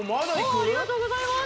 ありがとうございます